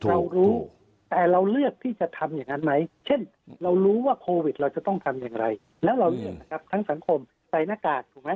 เรารู้แต่เราเลือกที่จะทำอย่างนั้นไหมเช่นเรารู้ว่าโควิดเราจะต้องทำอย่างไรแล้วเราเลือกนะครับทั้งสังคมใส่หน้ากากถูกไหม